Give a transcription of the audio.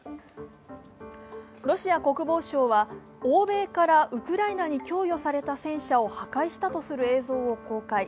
ロシア国防省は欧米からウクライナに供与された戦車を破壊したとする映像を公開。